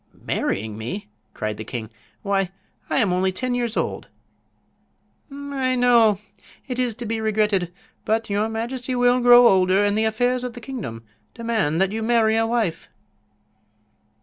"Marrying me!" cried the king. "Why, I am only ten years old!" "I know; it is to be regretted. But your majesty will grow older, and the affairs of the kingdom demand that you marry a wife."